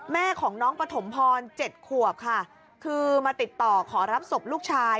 แม่ของน้องปฐมพร๗ขวบค่ะคือมาติดต่อขอรับศพลูกชาย